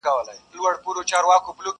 نه یو غزله جانانه سته زه به چیري ځمه،